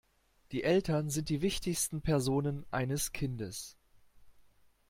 Die Eltern sind die wichtigsten Personen eines Kindes.